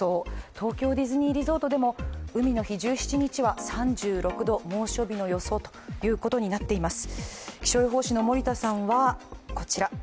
東京ディズニーリゾートでも海の日、１７日には３６度猛暑日の予想となっています。